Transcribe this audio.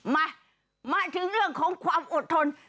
มามาถึงเรื่องของความอดทน